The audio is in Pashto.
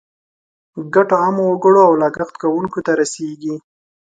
ګټه عامو وګړو او لګښت کوونکو ته رسیږي.